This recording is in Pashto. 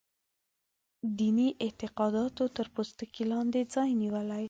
دیني اعتقاداتو تر پوستکي لاندې ځای نیولی.